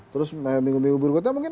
terus minggu minggu berikutnya mungkin